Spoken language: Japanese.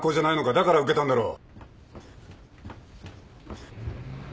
だから受けたんだろう？